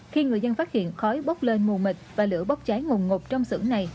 khi người dân phát hiện khói bốc lên mù mịt và lửa bốc cháy ngùng ngột trong xưởng này